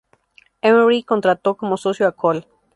Emery contrató como socio a Col.